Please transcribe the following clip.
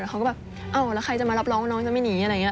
แต่เขาก็แบบเอ้าแล้วใครจะมารับรองว่าน้องจะไม่หนีอะไรอย่างนี้